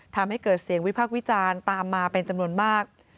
ทำให้เกิดเสียงวิพากษ์วิจารณ์ตามมาเป็นจำนวนมาก